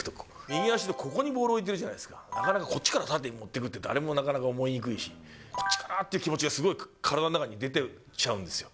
右足のここにボールを置いてるじゃないですか、なかなかこっちから縦に持ってくって、誰もなかなか思いにくいし、こっちかなっていう気持ちがすごく体の中に出てきちゃうんですよ。